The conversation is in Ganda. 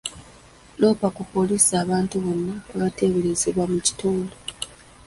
Loopa ku poliisi abantu bonna abateeberezebwa mu kitundu.